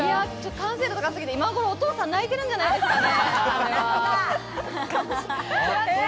完成度高すぎて今頃お父さん泣いてるんじゃないですかね？